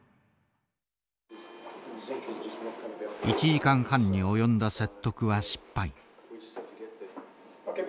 １時間半に及んだ説得は失敗。